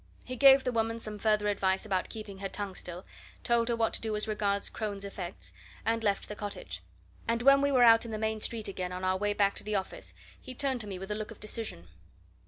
He gave the woman some further advice about keeping her tongue still, told her what to do as regards Crone's effects, and left the cottage. And when we were out in the main street again on our way back to the office he turned to me with a look of decision.